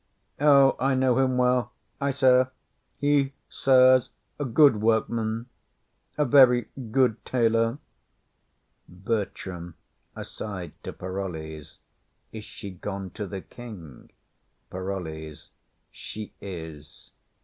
O, I know him well, I, sir; he, sir, is a good workman, a very good tailor. BERTRAM. [Aside to Parolles.] Is she gone to the king? PAROLLES. She is.